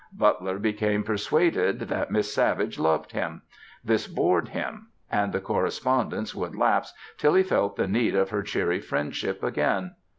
Butler became persuaded that Miss Savage loved him; this bored him; and the correspondence would lapse till he felt the need of her cheery friendship again.